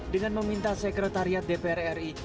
dengan meminta sekretariat dpr ri